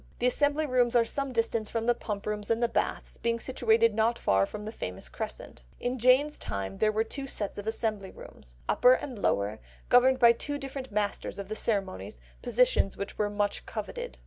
The Assembly Rooms are some distance from the Pump Rooms and the Baths, being situated not far from the famous crescent. In Jane's time there were two sets of Assembly Rooms, upper and lower, governed by two different masters of the ceremonies, positions which were much coveted.